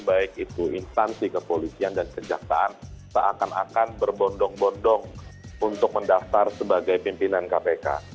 baik itu instansi kepolisian dan kejaksaan seakan akan berbondong bondong untuk mendaftar sebagai pimpinan kpk